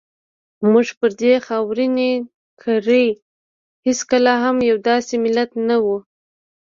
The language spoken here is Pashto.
موږ پر دې خاورینې کرې هېڅکله هم یو داسې ملت نه وو.